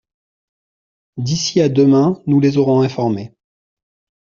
D’ici à demain nous les aurons informés.